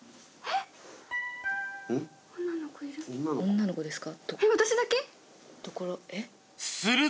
女の子ですか？